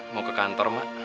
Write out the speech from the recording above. mau ke kantor be